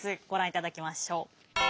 ご覧いただきましょう。